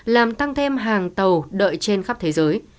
làm tăng thêm hàng tàu đợi trên khắp thế giới